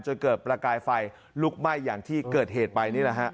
จนเกิดประกายไฟลุกไหม้อย่างที่เกิดเหตุไปนี่แหละฮะ